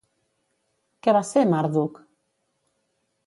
Què va ser Marduk?